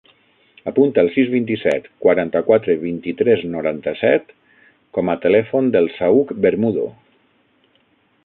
Apunta el sis, vint-i-set, quaranta-quatre, vint-i-tres, noranta-set com a telèfon del Saüc Bermudo.